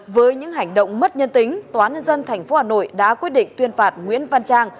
với những hành động mất nhân tính toán nhân dân tp hà nội đã quyết định tuyên phạt nguyễn văn trang